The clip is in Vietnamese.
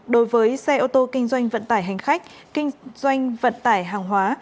đối với xe ô tô kinh doanh vận tải hành khách kinh doanh vận tải hàng hóa